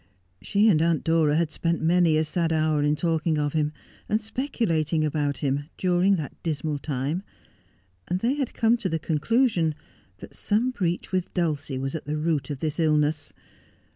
She and Aunt Dora had spent many a sad hour in talking of him and speculating about him during that dismal time, and they had come to the conclu sion that some breach with Dulcie was at the root of this illness.